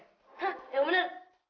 hah yang benar